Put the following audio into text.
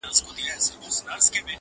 وڅڅوي اوښکي اور تر تلي کړي!!